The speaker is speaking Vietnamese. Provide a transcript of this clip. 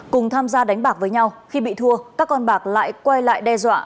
cùng tham gia đánh bạc với nhau khi bị thua các con bạc lại quay lại đe dọa